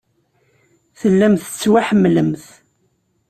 Tellamt tettwaḥemmlemt.